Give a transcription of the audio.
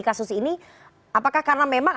kasus ini apakah karena memang